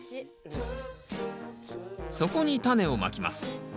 そこにタネをまきます。